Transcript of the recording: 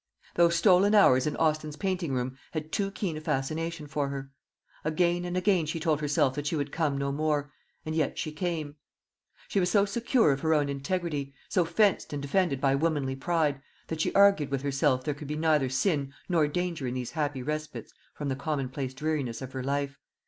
Those stolen hours in Austin's painting room had too keen a fascination for her. Again and again she told herself that she would come no more, and yet she came. She was so secure of her own integrity, so fenced and defended by womanly pride, that she argued with herself there could be neither sin nor danger in these happy respites from the commonplace dreariness of her life.